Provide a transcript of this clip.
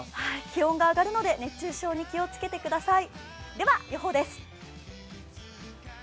気温が上がるので、熱中症に気をつけてください。